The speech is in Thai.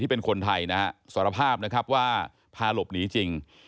ที่เป็นคนไทยนะสรรพาพนะครับว่าพารบหนีจริง